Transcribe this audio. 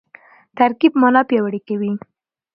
ترکیب مانا پیاوړې کوي.